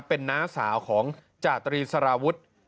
เป็นน้าสาวของจาตรีสารวุฒิ